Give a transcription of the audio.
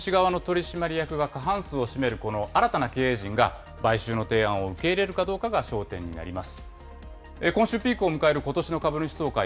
なので今回、大株主側の取締役が過半数を占めるこの新たな経営陣が、買収の提案を受け入れるかどうかが焦点になります。